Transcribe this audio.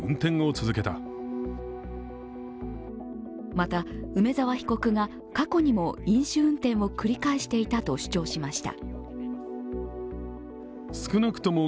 また、梅沢被告が過去にも飲酒運転を繰り返していたと主張しました。